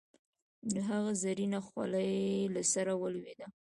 د هغه زرينه خولی له سره ولوېده.